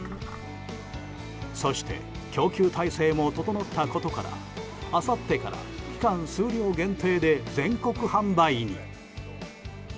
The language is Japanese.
そして供給体制も整ったことからあさってから期間数量限定で全国販売に。